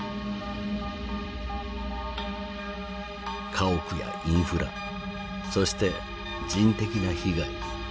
家屋やインフラそして人的な被害。